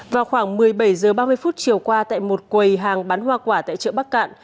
vào khoảng một mươi bảy h ba mươi chiều qua tại một quầy hàng bán hoa quả tại chợ bắc cạn